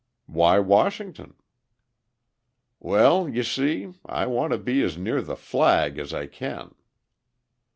"Why Washington?" "Well, you see, I want to be as near the flag as I can."